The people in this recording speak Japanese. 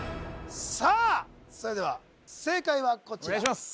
さあそれでは正解はこちらお願いします